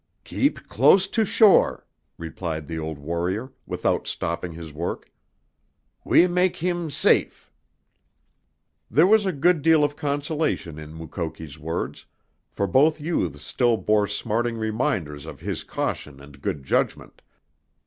"Keep close to shore," replied the old warrior, without stopping his work. "We mak' heem safe!" There was a good deal of consolation in Mukoki's words, for both youths still bore smarting reminders of his caution and good judgment.